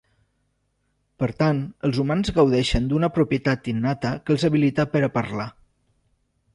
Per tant, els humans gaudeixen d'una propietat innata que els habilita per a parlar.